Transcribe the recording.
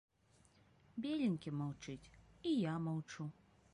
Беленькі маўчыць, і я маўчу.